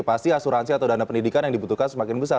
pasti asuransi atau dana pendidikan yang dibutuhkan semakin besar